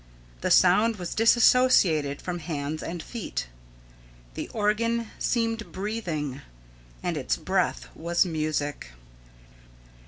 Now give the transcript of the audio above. The sound was disassociated from hands and feet. The organ seemed breathing, and its breath was music.